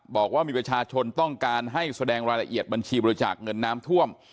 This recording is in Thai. บอกว่ามีประชาชนต้องการให้แสดงรายละเอียดบัญชีบริจาคเงินน้ำท่วม